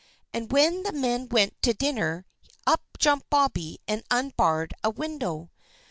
And when the men went to dinner, up jumped Bobby and unbarred a window.